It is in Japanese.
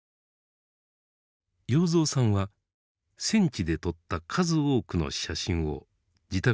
要三さんは戦地で撮った数多くの写真を自宅に持ち帰っていました。